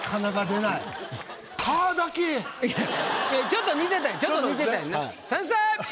ちょっと似てたちょっと似てたよな先生！